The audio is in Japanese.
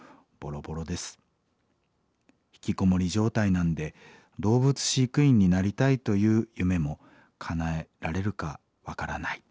ひきこもり状態なんで動物飼育員になりたいという夢もかなえられるか分からない」。